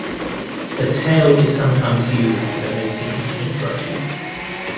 The tail is sometimes used for the making of paintbrushes.